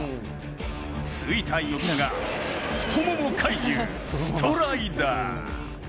付いた呼び名が太もも怪獣ストライダー。